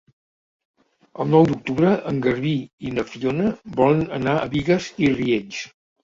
El nou d'octubre en Garbí i na Fiona volen anar a Bigues i Riells.